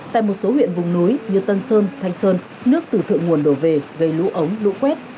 tại một số huyện vùng núi như tân sơn thanh sơn nước từ thượng nguồn đổ về gây lũ ống lũ quét